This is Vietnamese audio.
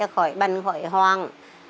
khỏi bệnh khỏi hoang